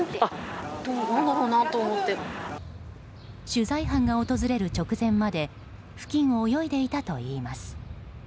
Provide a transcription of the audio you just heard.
取材班が訪れる直前まで付近を泳いでいたといいます。